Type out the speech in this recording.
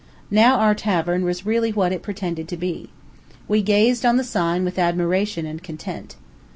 Now our tavern was really what it pretended to be. We gazed on the sign with admiration and content.